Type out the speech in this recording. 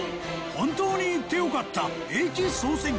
本当に行ってよかった駅総選挙』。